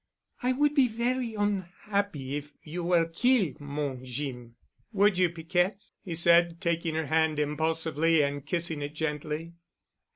I would be ver' onhappy if you were kill', mon Jeem." "Would you, Piquette?" he said, taking her hand impulsively and kissing it gently.